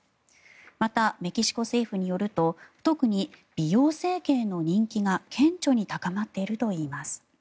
また、メキシコ政府によると特に美容整形の人気が顕著に高まっているといいます。